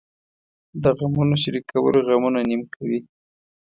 د غمونو شریکول غمونه نیم کموي .